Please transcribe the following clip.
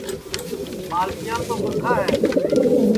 ٻالٹیام تو گُرکھا ہے